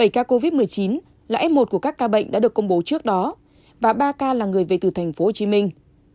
bảy ca covid một mươi chín là f một của các ca bệnh đã được công bố trước đó và ba ca là người về từ thành phố hồ chí minh